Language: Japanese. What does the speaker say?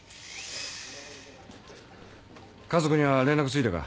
家族には連絡ついたか？